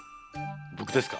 僕ですか？